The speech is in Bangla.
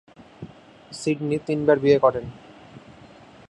সিডনি তিনবার বিয়ে করেন।